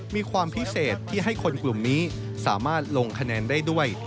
มีความพิเศษที่ให้คนกลุ่มนี้สามารถลงคะแนนได้ด้วย